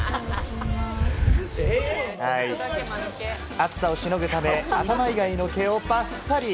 暑さをしのぐため、頭以外の毛をバッサリ。